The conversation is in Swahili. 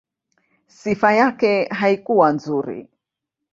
Sifa yake haikuwa nzuri.